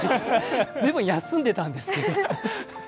随分休んでたんですけど。